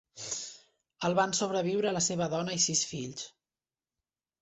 El van sobreviure la seva dona i sis fills.